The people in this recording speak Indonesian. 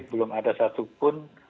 belum ada satupun